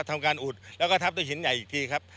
ทำการอุดแล้วก็ทับด้วยหินใหญ่อีกทีครับ